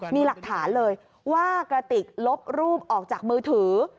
มีหลักฐานเลยว่ากระติกลบรูปออกจากมือถือ